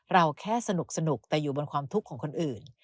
เราแค่สนุกแต่อยู่บนความทุกข์ของคนอื่น